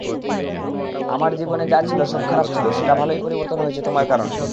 আমার জীবনে যা ছিল সব খারাপ ছিল, সেটা ভালোই পরিবর্তন হয়েছে তোমার কারণে।